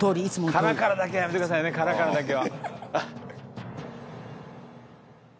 カラからだけはやめてくださいねカラからだけは。